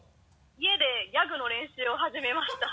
家でギャグの練習を始めました。